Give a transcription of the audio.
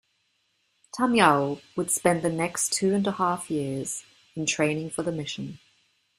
Tamyao would spend the next two and half years in training for the mission.